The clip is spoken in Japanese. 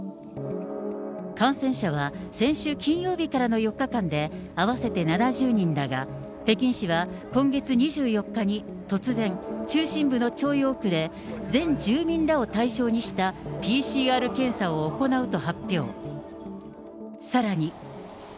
感染者は先週金曜日からの４日間で、合わせて７０人だが、北京市は、今月２４日に突然、中心部の朝陽区で、全住民らを対象にしたＰＣＲ検査を行うと発表。